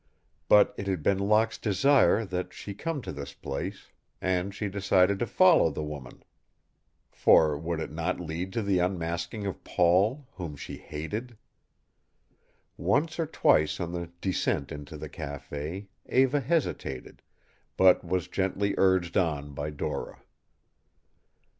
But it had been Locke's desire that she come to this place, and she decided to follow the woman, for would it not lead to the unmasking of Paul, whom she hated? Once or twice on the descent into the café Eva hesitated, but was gently urged on by Dora.